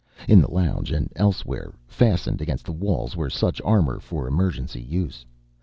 In the lounge and elsewhere, fastened against the walls, were such armor for emergency use.